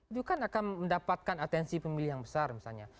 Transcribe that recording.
itu kan akan mendapatkan atensi pemilih yang besar misalnya